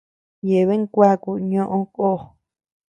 Yeabean kuaku ñoʼo kó.